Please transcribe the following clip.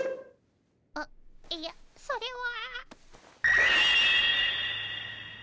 あっいやそれは。